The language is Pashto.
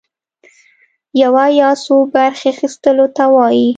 يوه يا څو برخي اخيستلو ته وايي.